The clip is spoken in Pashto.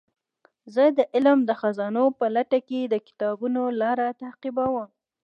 زه د علم د خزانو په لټه کې د کتابونو لار تعقیبوم.